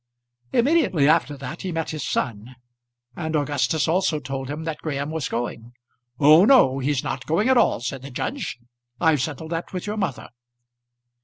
Immediately after that he met his son. And Augustus also told him that Graham was going. "Oh no; he's not going at all," said the judge. "I've settled that with your mother."